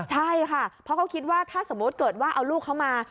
ใช่ค่ะเพราะเขาคิดว่าถ้าสมมุติเกิดว่าเอาลูกเขามา